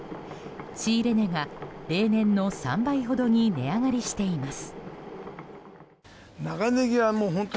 仕入れ値が平年の３倍ほどに値上がりしています。